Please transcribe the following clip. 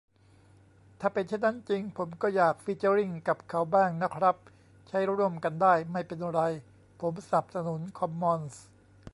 ถ้าเป็นเช่นนั้นจริง ผมก็อยากฟีเจอริ่งกับเขาบ้างนะครับ ใช้ร่วมกันได้ ไม่เป็นไร ผมสนับสนุนคอมมอนส์